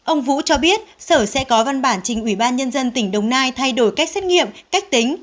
ông vũ cho biết sở sẽ có văn bản trình ủy ban nhân dân tỉnh đồng nai thay đổi cách xét nghiệm cách tính